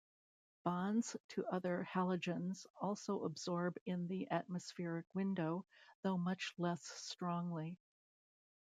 Bonds to other halogens also absorb in the atmospheric window, though much less strongly.